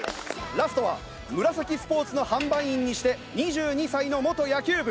ラストはムラサキスポーツの販売員にして２２歳の元野球部。